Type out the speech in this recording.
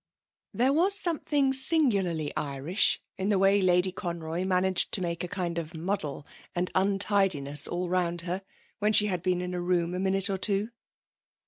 There was something singularly Irish in the way Lady Conroy managed to make a kind of muddle and untidiness all round her, when she had been in a room a minute or two.